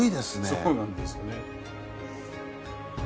そうなんですね。